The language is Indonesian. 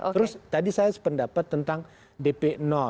terus tadi saya sependapat tentang dp